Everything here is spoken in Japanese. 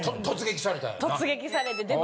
突撃されて。